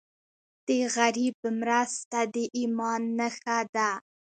د غریب مرسته د ایمان نښه ده.